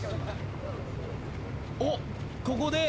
おっここで。